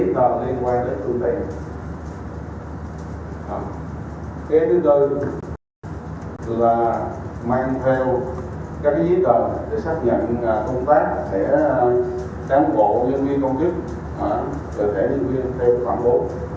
các bộ nhân viên công kích cơ thể nhân viên theo khoảng bộ